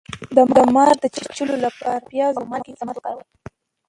د مار د چیچلو لپاره د پیاز او مالګې ضماد وکاروئ